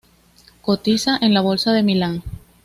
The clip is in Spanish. Cotiza en la bolsa de Milán.